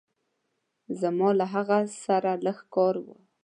زما له هغه سره لږ کار وه.